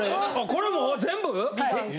これも全部？